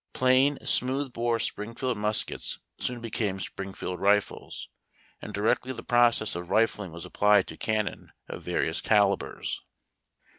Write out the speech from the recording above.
Plain smooth bore Springfield muskets soon became Springfield rifles, and directly the process of rifling was applied to cannon of various calibres.